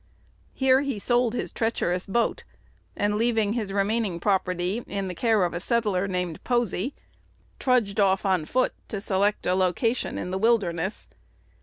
Here he sold his treacherous boat, and, leaving his remaining property in the care of a settler named Posey, trudged off on foot to select "a location" in the wilderness.